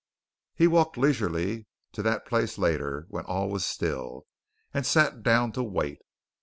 He walked leisurely to that place later when all was still, and sat down to wait.